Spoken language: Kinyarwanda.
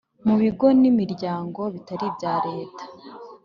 mu bigo n’imiryango bitari ibya leta;